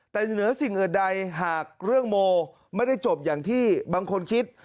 แต่เหนือสิ่งอื่นใดหากเรื่องโมไม่ได้จบอย่างที่บางคนคิด